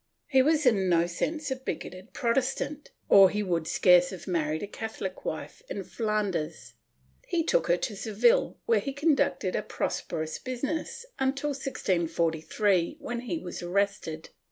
He was in no sense a bigoted Protestant, or he would scarce have married a Catholic wife in Flanders. He took her to Seville, where he conducted a prosperous business until 1643, when he was arrested.